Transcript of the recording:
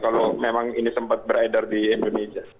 kalau memang ini sempat beredar di indonesia